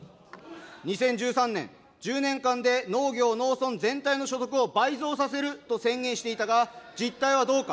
２０１３年、１０年間で農業・農村全体の所得を倍増させると宣言していたが、実態はどうか。